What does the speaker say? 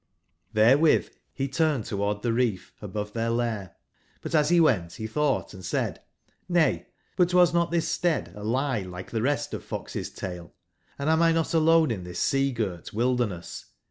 '' ^RGRBCdl^R he turned toward the reef above their lair, but as he went, he thought and said: '']Vay, but was not this Stead a lie like the rest of fox's tale?and am Xnot alone in this sea/girt wilderness